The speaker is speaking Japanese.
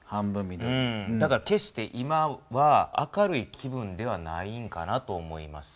だから決して今は明るい気分ではないんかなと思います。